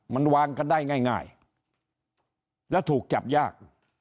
มันวางกันได้ง่ายแล้วถูกจับยาก